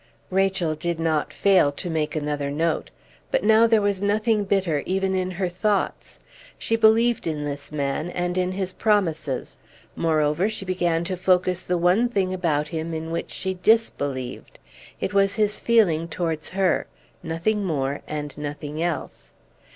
Rachel did not fail to make another note; but now there was nothing bitter even in her thoughts. She believed in this man, and in his promises; moreover, she began to focus the one thing about him in which she disbelieved. It was his feeling towards her nothing more and nothing else.